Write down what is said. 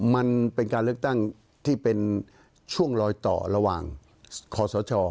มันเป็นการเลือกตั้งที่เป็นช่วงลอยต่อระหว่างคอสช